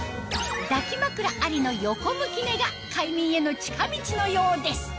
抱き枕有りの横向き寝が快眠への近道のようです